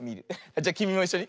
じゃきみもいっしょに。